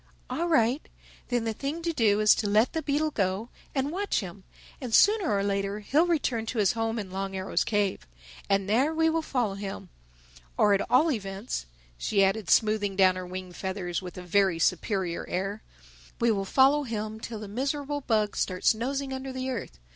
"All right. Then the thing to do is to let the beetle go—and watch him; and sooner or later he'll return to his home in Long Arrow's cave. And there we will follow him—Or at all events," she added smoothing down her wing feathers with a very superior air, "we will follow him till the miserable bug starts nosing under the earth.